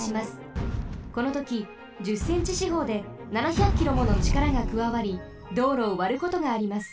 このとき１０センチしほうで７００キロものちからがくわわり道路をわることがあります。